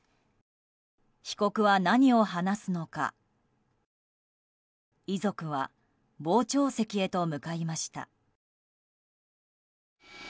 被告は何を話すのか遺族は傍聴席へと向かいました。